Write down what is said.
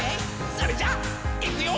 それじゃいくよ」